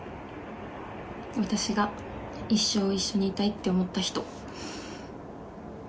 私が一生一緒にいたいって思った人。